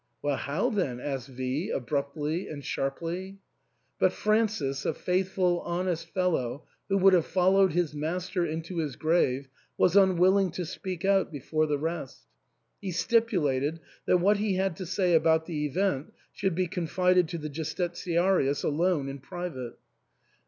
" Well, how then ?" asked V abruptly and sharply. But Francis, a faithful, honest fellow, who would have followed his master into his grave, was unwilling to speak out before the rest ; he stipulated that what he had to say about the event should be confided to the Justitiarius alone in private.